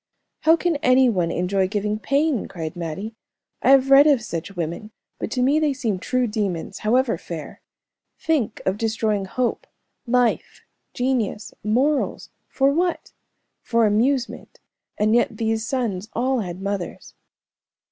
"How can any one enjoy giving pain," cried Mattie. "I have read of such women, but to me they seem true demons, however fair. Think of destroying hope, life, genius, morals for what? For amusement, and yet these sons all had mothers."